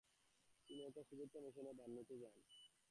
তিনি একটি শুভেচ্ছা মিশনে বান্নু তে যান।